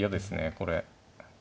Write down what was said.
これ。